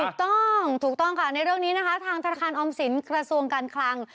ถูกต้องถูกต้องค่ะในเรื่องนี้นะคะทางธนาคารออมสินกระทรวงการคลัง